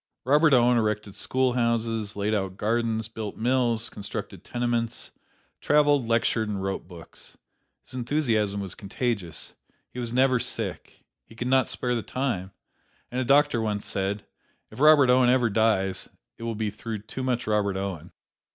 Robert Owen erected schoolhouses, laid out gardens, built mills, constructed tenements, traveled, lectured, and wrote books. His enthusiasm was contagious. He was never sick he could not spare the time and a doctor once said, "If Robert Owen ever dies, it will be through too much Robert Owen."